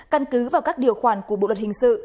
căn cứ vào các điều khoản của bộ luật hình sự